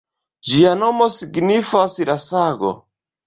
Ĝia nomo signifas “La Sago”.